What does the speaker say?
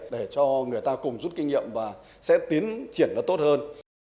để cho người ta cùng rút kinh nghiệm và sẽ tiến triển nó tốt hơn